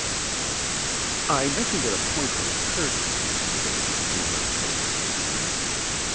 "I mentioned that a point had occurred to me, sir," remarked Pedgift Senior.